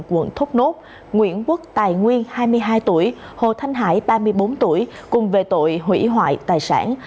quận thốt nốt nguyễn quốc tài nguyên hai mươi hai tuổi hồ thanh hải ba mươi bốn tuổi cùng về tội hủy hoại tài sản